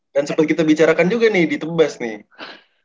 dan seperti kita bicarakan juga nih di tebas nih